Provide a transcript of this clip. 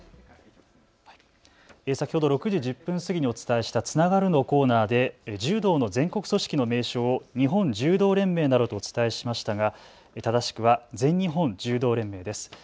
先ほど６時１０分過ぎにお伝えしたつながるのコーナーで柔道の全国組織の名称を日本柔道連盟などとお伝えしましたが正しくは全日本柔道連盟です。